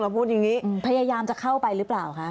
พูดอย่างนี้พยายามจะเข้าไปหรือเปล่าคะ